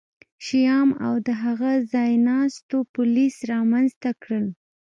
شیام او د هغه ځایناستو پولیس رامنځته کړل